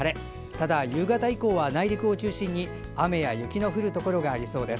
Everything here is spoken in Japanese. ただ、夕方以降は内陸を中心に雨や雪の降るところがありそうです。